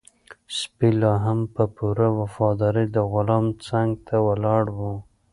سپی لا هم په پوره وفادارۍ د غلام څنګ ته ولاړ و.